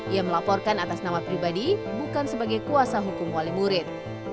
ia melaporkan atas nama pribadi bukan sebagai kuasa hukum wali murid